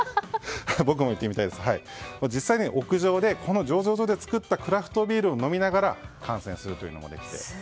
実際屋上でこの醸造所で作ったクラフトビールを飲みながら観戦することもできます。